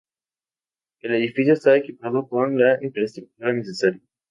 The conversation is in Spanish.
El edificio está equipado con la infraestructura necesaria.